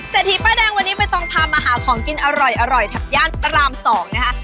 เศรษฐีป้าแดงวันนี้ไม่ต้องพามาหาของกินอร่อยทางย่านตราม๒นะคะ